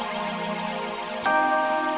aduh kena terang